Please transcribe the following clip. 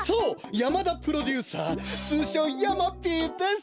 山田プロデューサーつうしょう山Ｐです。